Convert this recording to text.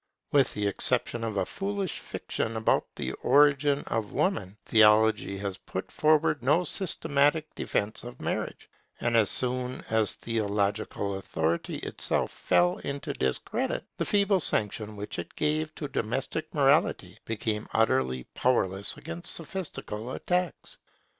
With the exception of a foolish fiction about the origin of Woman, theology has put forward no systematic defence of marriage; and as soon as theological authority itself fell into discredit, the feeble sanction which it gave to domestic morality became utterly powerless against sophistical attacks.